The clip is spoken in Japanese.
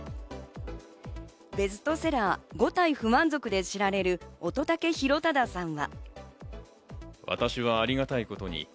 ベストセラー『五体不満足』で知られる乙武洋匡さんは。